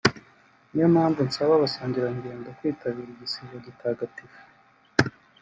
niyo mpamvu nsaba abasangirangendo kwitabira igisibo gitagatifu